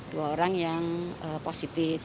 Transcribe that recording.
dua orang yang positif